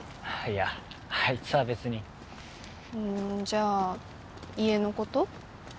いやあいつは別にうんじゃあ家のこと？